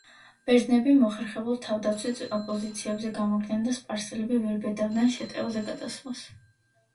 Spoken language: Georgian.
ბერძნები მოხერხებულ თავდაცვით პოზიციებზე გამაგრდნენ და სპარსელები ვერ ბედავდნენ შეტევაზე გადასვლას.